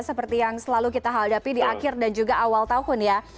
seperti yang selalu kita hadapi di akhir dan juga awal tahun ya